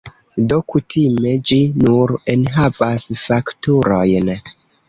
Do, kutime ĝi nur enhavas fakturojn.